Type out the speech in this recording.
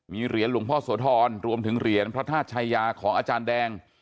มีเหรียญหลวงพ่อโสธรรวมถึงเหรียญพระธาตุชายาของอาจารย์แดง